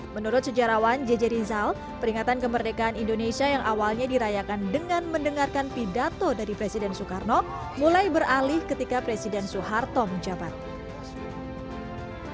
menurut sejarawan jj rizal peringatan kemerdekaan indonesia yang awalnya dirayakan dengan mendengarkan pidato dari presiden soekarno mulai beralih ketika presiden soeharto menjabat